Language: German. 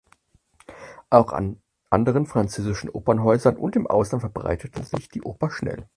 Auch an anderen französischen Opernhäusern und im Ausland verbreitete sich die Oper schnell.